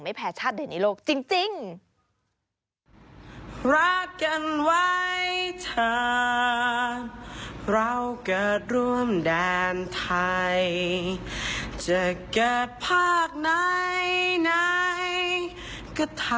ไม่แพ้ชาติเด่นในโลกจริง